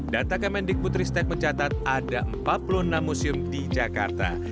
data kemendik putristek mencatat ada empat puluh enam museum di jakarta